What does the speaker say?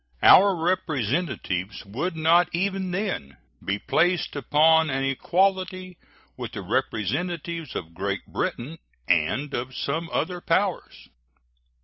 Our representatives would not even then be placed upon an equality with the representatives of Great Britain and of some other powers.